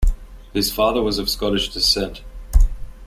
His father was of Scottish descent.